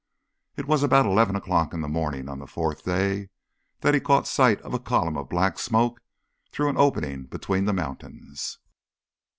It was about eleven o'clock in the morning of the fourth day that he caught sight of a column of black smoke through an opening between the mountains.